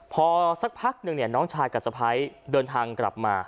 พอสักพักหนึ่งน้องชายกับสะพ้ายเดินทางกลับมา